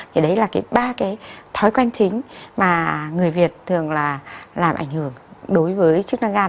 thì đấy là cái ba cái thói quen chính mà người việt thường là làm ảnh hưởng đối với chức năng gan